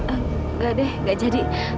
enggak deh enggak jadi